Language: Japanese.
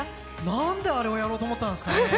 なんであれをやろうと思ったんでしょうかね。